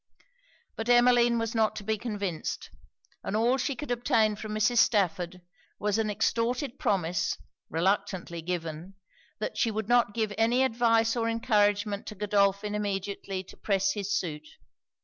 But Emmeline was not to be convinced; and all she could obtain from Mrs. Stafford was an extorted promise, reluctantly given, that she would not give any advice or encouragement to Godolphin immediately to press his suit.